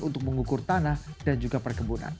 untuk mengukur tanah dan juga perkebunan